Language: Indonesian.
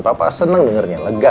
papa seneng dengernya lega papa